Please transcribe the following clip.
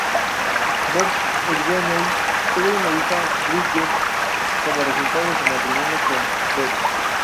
Bob Sweeney tuvo una hija, Bridget, como resultado de su matrimonio con Bev.